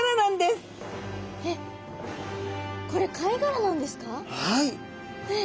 これ貝殻なんですか？